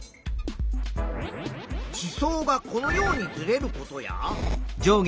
地層がこのようにずれることや。